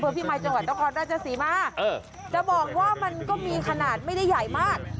เพราะพี่มัยจังหวัดตะครน่าจะสีมากเออจะบอกว่ามันก็มีขนาดไม่ได้ใหญ่มาก